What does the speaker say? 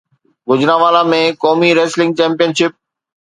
گوجرانوالا ۾ قومي wrestling champion ship